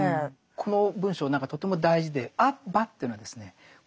この文章とても大事で「アッバ」っていうのはですね